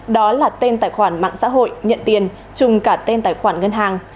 đó là tên tài khoản mạng xã hội nhận tiền chung cả tên tài khoản ngân hàng